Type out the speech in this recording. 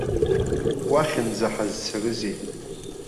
Уахьынӡа ҳазцарызеи.